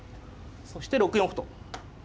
そして６四歩と。